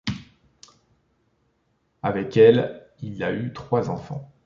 Avec elle, il a eu trois enfants.